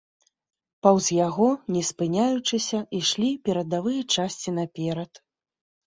Паўз яго, не спыняючыся, ішлі перадавыя часці наперад.